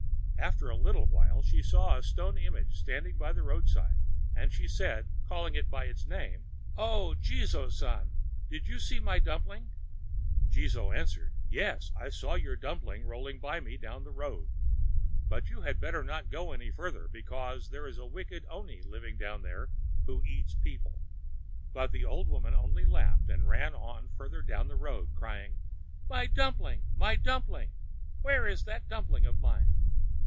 After a little while she saw a stone image standing by the roadside, and she said, calling it by its name: "O Jizō San, did you see my dumpling?" Jizō answered: "Yes, I saw your dumpling rolling by me down the road. But you had better not go any farther, because there is a wicked oni living down there who eats people." But the old woman only laughed, and ran on farther down the road, crying: "My dumpling! my dumpling! Where is that dumpling of mine?"